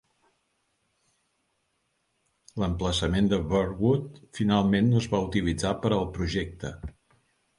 L'emplaçament de Burwood finalment no es va utilitzar per al projecte.